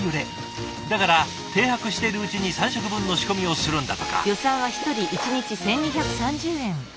だから停泊しているうちに３食分の仕込みをするんだとか。